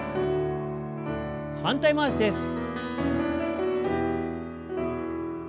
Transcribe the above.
反対回しです。